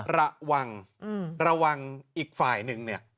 ระวังอีกฝ่ายนึงเนี่ย